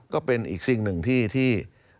ก็เป็นอีกสิ่งหนึ่งที่